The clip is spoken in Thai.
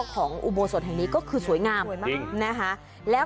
ของมวลสวดแห่งนี้ก็คือสวยงาม